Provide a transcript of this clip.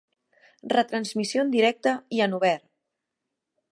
Retransmissió en directe i en obert.